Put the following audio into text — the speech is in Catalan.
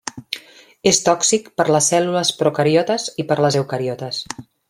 És tòxic per les cèl·lules procariotes i per les eucariotes.